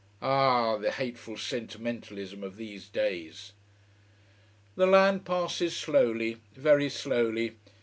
Ach, the hateful sentimentalism of these days. The land passes slowly, very slowly.